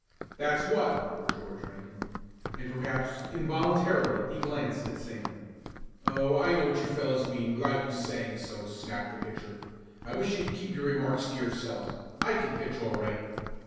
"That's what," murmured George Rankin, and, perhaps involuntarily, he glanced at Sam. "Oh, I know what you fellows mean without you saying so!" snapped the pitcher. "I wish you'd keep your remarks to yourselves. I can pitch all right."